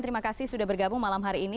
terima kasih sudah bergabung malam hari ini